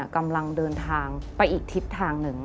กำลังเดินทางไปอีกทิศทางหนึ่ง